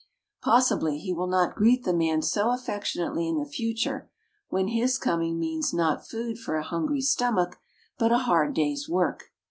Possibly he will not greet the man so affectionately in the future when his coming means not food for a hungry stomach but a hard day's work.